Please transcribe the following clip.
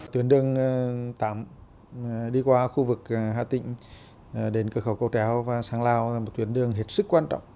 tuyến đường tám đi qua khu vực hà tĩnh đến cửa khẩu cầu treo và sang lào là một tuyến đường hết sức quan trọng